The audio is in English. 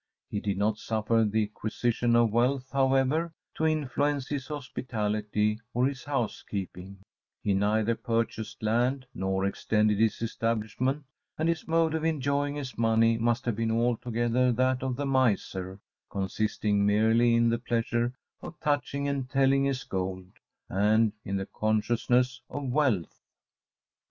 He did not suffer the acquisition of wealth, however, to influence his hospitality or his house keeping he neither purchased land, nor extended his establishment; and his mode of enjoying his money must have been altogether that of the miser consisting merely in the pleasure of touching and telling his gold, and in the consciousness of wealth.